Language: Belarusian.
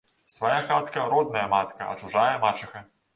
Свая хатка – родная матка, а чужая – мачыха